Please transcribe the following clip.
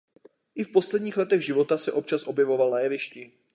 I v posledních letech života se občas objevoval na jevišti.